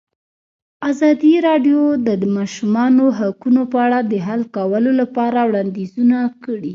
ازادي راډیو د د ماشومانو حقونه په اړه د حل کولو لپاره وړاندیزونه کړي.